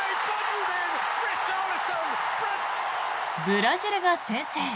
ブラジルが先制。